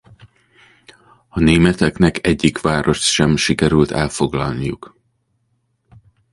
A németeknek egyik várost sem sikerült elfoglalniuk.